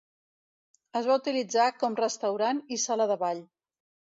Es va utilitzar com restaurant i sala de ball.